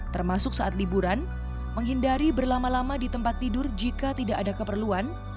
termasuk saat liburan menghindari berlama lama di tempat tidur jika tidak ada keperluan